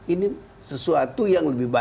ini sesuatu yang luar biasa